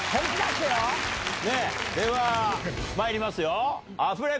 ではまいりますよ。